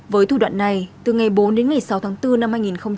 với thủ đoạn này từ ngày bốn đến ngày sáu tháng bốn năm hai nghìn hai mươi